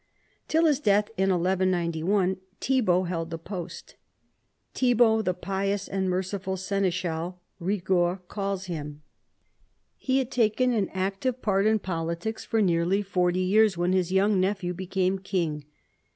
Till his death in 1191 Thibault held the post — Thibault the "pious and merciful seneschal," Eigord calls him. He had taken an active part in politics for nearly forty years when his young nephew became king.